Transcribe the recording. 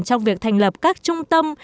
trong việc thành lập các trung tâm